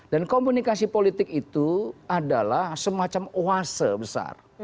dan komunikasi politik itu adalah semacam oase besar